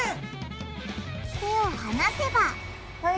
手を離せばはい。